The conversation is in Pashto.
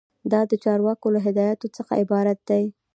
دا د چارواکو له هدایاتو څخه عبارت دی.